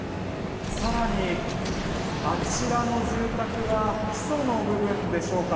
更に、あちらの住宅は基礎の部分でしょうか。